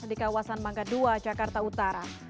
di kawasan mangga dua jakarta utara